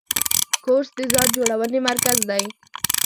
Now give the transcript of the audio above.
کورس د ځان جوړونې مرکز دی.